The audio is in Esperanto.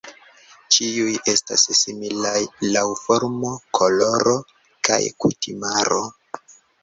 Ĉiuj estas similaj laŭ formo, koloro kaj kutimaro.